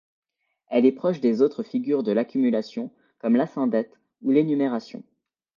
Elle est proche des autres figures de l'accumulation comme l'asyndète ou l'énumération.